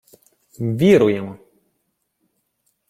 — Ввіруємо!